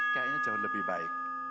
kayaknya jauh lebih baik